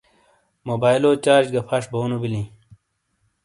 موبائیلو چارج گہ پھش بونو بِلِیں۔